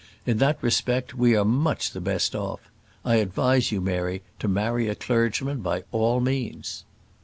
In that respect we are much the best off. I advise you, Mary, to marry a clergyman, by all means."